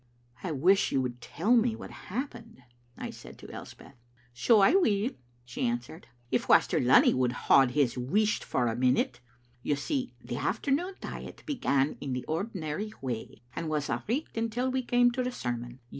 "I wish you would tell me what happened," I said to Elspeth. "So I will," she answered, "if Waster Lunny would hand his wheesht for a minute. You see the afternoon diet began in the ordinary way, and a* was richt until we came to the sermon.